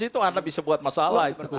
itu anda bisa buat masalah itu